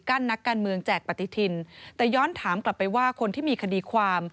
นักการเมืองแจกปฏิทินแต่ย้อนถามกลับไปว่าคนที่มีคดีความ